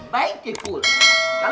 masuk ke dalam